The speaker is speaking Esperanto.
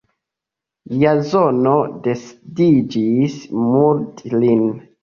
Jazono decidiĝis murdi lin.